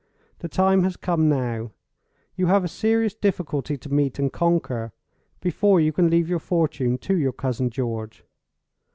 The time has come now. You have a serious difficulty to meet and conquer before you can leave your fortune to your cousin George."